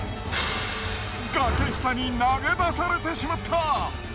崖下に投げ出されてしまった。